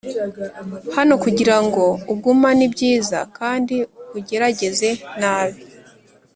hano kugirango ugumane ibyiza kandi ugerageze nabi.